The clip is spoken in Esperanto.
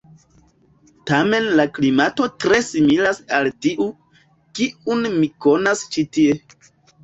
Tamen la klimato tre similas al tiu, kiun mi konas ĉi tie.